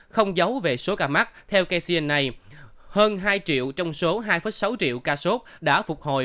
không giấu về số ca mắc theo kcn này hơn hai triệu trong số hai sáu triệu ca sốt đã phục hồi